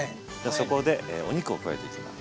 そこでお肉を加えていきます。